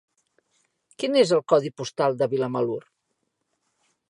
Quin és el codi postal de Vilamalur?